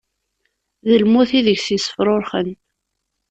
D lmut i deg-s yefrurxen.